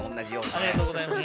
ありがとうございます。